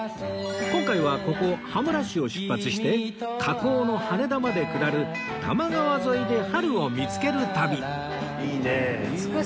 今回はここ羽村市を出発して河口の羽田まで下る多摩川沿いで春を見つける旅